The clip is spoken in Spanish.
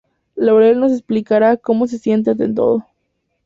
Laurel nos explicará cómo se siente ante todo.